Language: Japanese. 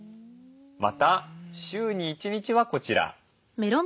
また週に１日はこちら。